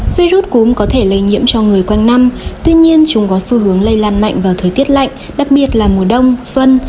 virus cúm có thể lây nhiễm cho người quanh năm tuy nhiên chúng có xu hướng lây lan mạnh vào thời tiết lạnh đặc biệt là mùa đông xuân